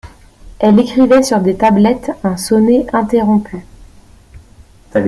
Elle écrivait sur des tablettes un sonnet interrompu.